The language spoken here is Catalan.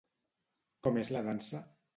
Com és la dansa?